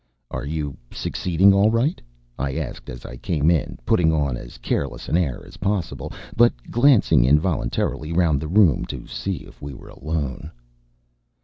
"Are you succeeding all right?" I asked as I came in, putting on as careless an air as possible, but glancing involuntarily round the room to see if we were alone.